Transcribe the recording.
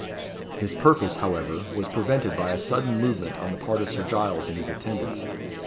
His purpose, however, was prevented by a sudden movement on the part of Sir Giles and his attendants.